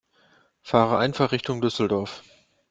Fahre einfach Richtung Düsseldorf